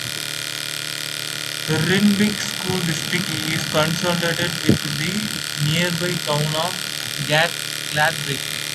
The Reinbeck school district is consolidated with the nearby town of Gladbrook.